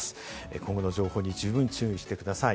今後の情報に十分注意してください。